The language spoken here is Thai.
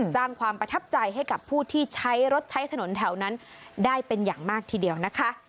สร้างความประทับใจให้กับผู้ที่ใช้รถใช้ถนนแถวนั้นได้เป็นอย่างมากทีเดียวนะคะ